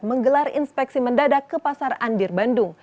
menggelar inspeksi mendadak ke pasar andir bandung